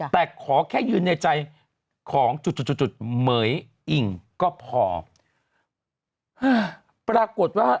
แต่ขอแค่ยืนในใจของจุดเหมือยอิ่งก็พอปรากฏว่า